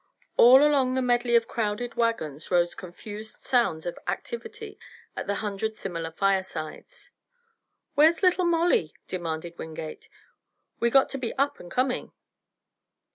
All along the medley of crowded wagons rose confused sounds of activity at a hundred similar firesides. "Where's Little Molly?" demanded Wingate. "We got to be up and coming."